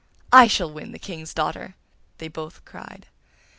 'I shall win the king's daughter!' they both cried.